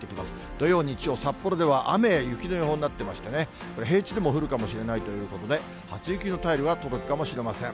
土曜、日曜、札幌では雨、雪の予報になってましてね、平地でも降るかもしれないということで、初雪の便りが届くかもしれません。